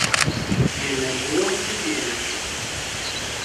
Jie nebuvo suvienyti.